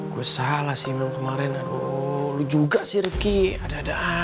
gue salah sih emang kemarin aduh lo juga sih rifqi ada adaan